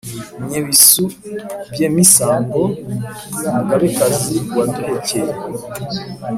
Ny’ebisu by’emisango Umugabekazi waduhekeye